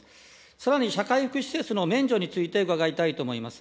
さらに、社会福祉施設の免除について伺いたいと思います。